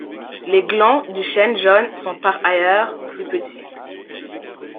Les glands du chêne jaune sont par ailleurs plus petits.